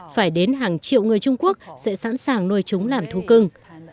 phải đến hàng triệu người trung quốc sẽ sẵn sàng nuôi chúng làm thú cưng